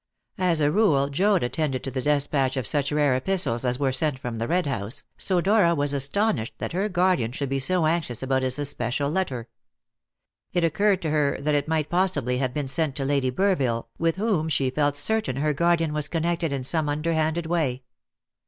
As a rule, Joad attended to the despatch of such rare epistles as were sent from the Red House, so Dora was astonished that her guardian should be so anxious about this especial letter. It occurred to her that it might possibly have been sent to Lady Burville, with whom she felt certain her guardian was connected in some underhanded way.